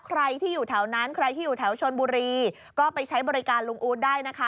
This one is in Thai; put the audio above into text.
ใครที่อยู่แถวนั้นใครที่อยู่แถวชนบุรีก็ไปใช้บริการลุงอู๊ดได้นะคะ